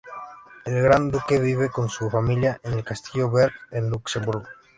El Gran duque vive con su familia en el Castillo de Berg, en Luxemburgo.